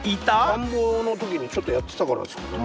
繁忙の時にちょっとやってたからですかね。